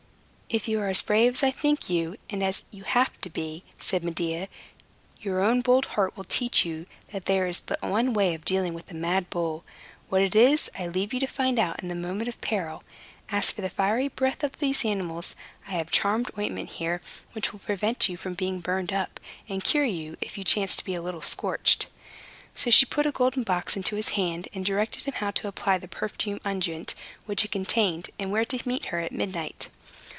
"If you are as brave as I think you, and as you have need to be," said Medea, "your own bold heart will teach you that there is but one way of dealing with a mad bull. What it is I leave you to find out in the moment of peril. As for the fiery breath of these animals, I have a charmed ointment here, which will prevent you from being burned up, and cure you if you chance to be a little scorched." So she put a golden box into his hand, and directed him how to apply the perfumed unguent which it contained, and where to meet her at midnight.